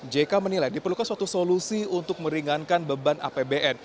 jk menilai diperlukan suatu solusi untuk meringankan beban apbn